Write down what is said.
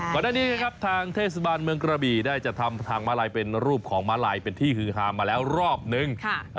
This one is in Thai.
ก่อนหน้านี้นะครับทางเทศบาลเมืองกระบี่ได้จะทำทางมาลัยเป็นรูปของมาลัยเป็นที่ฮือฮามาแล้วรอบนึง